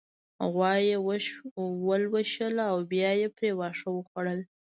غوا يې ولوشله او بيا يې پرې واښه وخوړل